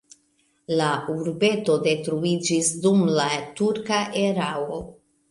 La urbeto detruiĝis dum la turka erao.